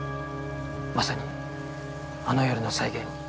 まさにあの夜の再現。